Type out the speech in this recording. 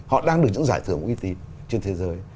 họ đang được những giải thưởng của y tín trên thế giới